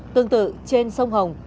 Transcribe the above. tương tự trên sông hồng